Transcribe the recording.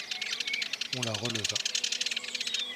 On la releva.